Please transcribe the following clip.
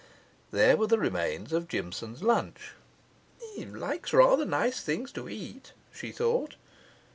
There were the remains of Jimson's lunch. 'He likes rather nice things to eat,' she thought.